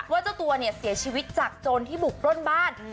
เจ้าตัวเนี่ยเสียชีวิตจากโจรที่บุกปล้นบ้าน